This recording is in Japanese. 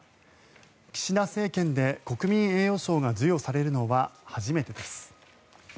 岸田政権で国民栄誉賞が授与されるのは初めてです。